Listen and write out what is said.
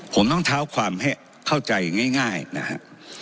ผมต้องเท้าความให้เข้าใจง่ายนะฮะ